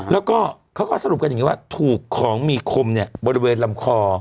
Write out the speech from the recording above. แล้วก็เขาก็สรุปกันอย่างนี้ว่าถูกของมีคมเนี่ยบริเวณลำคอ